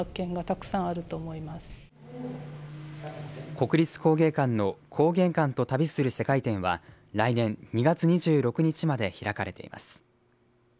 国立工芸館の工芸館と旅する世界展は来年２月２６日まで開かれています。